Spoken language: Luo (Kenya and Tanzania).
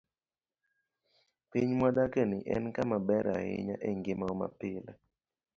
Piny mwadakieni en kama ber ahinya e ngimawa mapile.